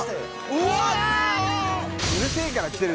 うわ！